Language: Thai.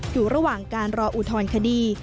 อยู่ระหว่างการรออุทธรณคดี